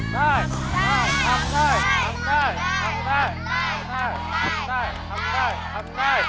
ได้ทำได้